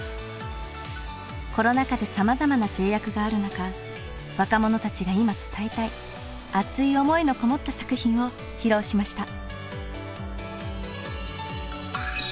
コロナ禍でさまざまな制約がある中若者たちが今伝えたい熱い思いのこもった作品を披露しました。